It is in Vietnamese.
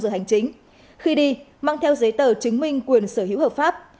giờ hành chính khi đi mang theo giấy tờ chứng minh quyền sở hữu hợp pháp